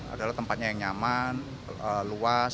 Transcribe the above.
adalah tempatnya yang nyaman luas